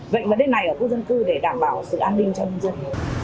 vậy là đây này ở khu dân cư để đảm bảo sự an ninh cho nhân dân